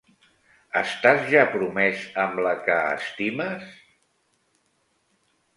Estas ja promès amb la que estimes?